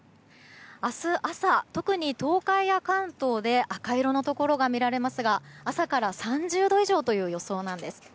明日朝、特に東海や関東で赤色のところが見られますが朝から３０度以上という予想なんです。